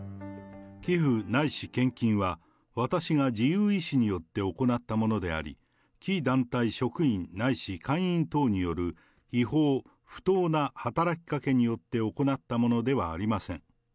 寄付ないし献金は、私が自由意思によって行ったものであり、貴団体職員ないし会員等による違法、不当な働きかけによって行ったものではありません。